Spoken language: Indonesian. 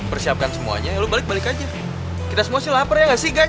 persiapkan semuanya lu balik balik aja kita semua sih lapar ya gak sih guy